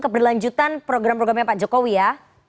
keberlanjutan program programnya pak jokowi ya